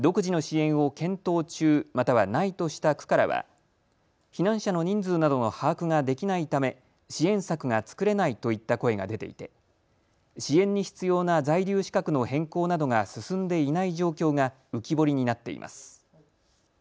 独自の支援を検討中またはないとした区からは避難者の人数などを把握ができないため支援策が作れないといった声が出ていて支援に必要な在留資格の変更などが進んでいない状況が浮き彫りになっています。